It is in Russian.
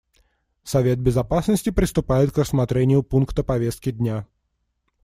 Совет Безопасности приступает к рассмотрению пункта повестки дня.